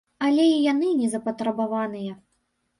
Але і яны не запатрабаваныя.